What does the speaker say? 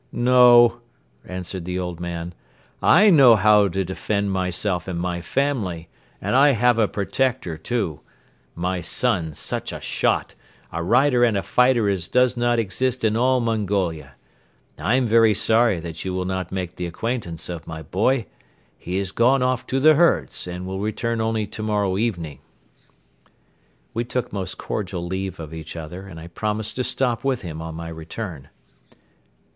"No," answered the old man. "I know how to defend myself and my family and I have a protector too my son, such a shot, a rider and a fighter as does not exist in all Mongolia. I am very sorry that you will not make the acquaintance of my boy. He has gone off to the herds and will return only tomorrow evening." We took most cordial leave of each other and I promised to stop with him on my return.